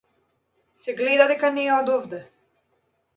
Се гледа дека не е од овде.